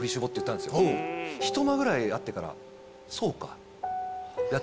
ひと間ぐらいあってから。